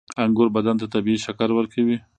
• انګور بدن ته طبیعي شکر ورکوي.